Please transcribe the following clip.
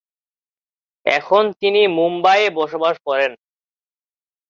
এখন তিনি মুম্বাইয়ে বসবাস করেন।